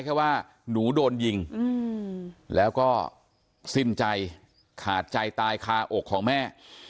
แค่ว่าหนูโดนยิงแล้วก็สิ้นใจขาดใจตายคาอกของแม่